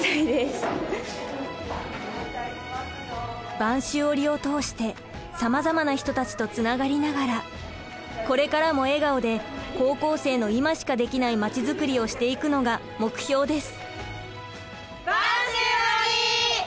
播州織を通してさまざまな人たちとつながりながらこれからも笑顔で高校生のいましかできないまちづくりをしていくのが目標です。